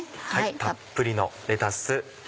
たっぷりのレタス。